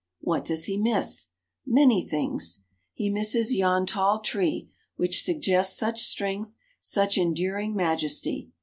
What does he miss? Many things. He misses yon tall tree, which suggests such strength, such enduring majesty.